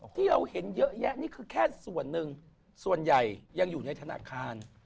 ที่เราเห็นเยอะแยะนี่คือแค่ส่วนหนึ่งส่วนใหญ่ยังอยู่ในธนาคาร